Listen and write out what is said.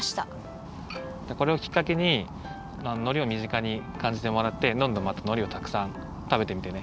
これをきっかけにのりをみぢかにかんじてもらってどんどんまたのりをたくさん食べてみてね。